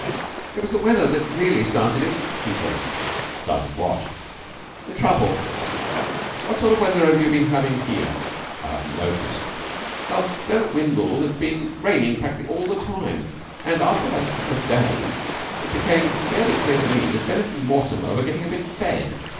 "It was the weather that really started it," he said. "Started what?" "The trouble. What sort of weather have you been having here?" "I haven't noticed." "Well, down at Windles it has been raining practically all the time, and after about a couple of days it became fairly clear to me that Bennett and Mortimer were getting a bit fed.